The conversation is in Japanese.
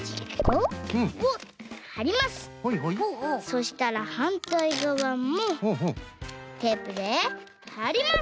そしたらはんたいがわもテープではります。